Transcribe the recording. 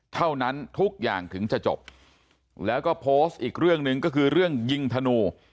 เท่านั้นทุกอย่างถึงจะจบแล้วก็โพสต์อีกเรื่องหนึ่งก็คือเรื่องยิงธนู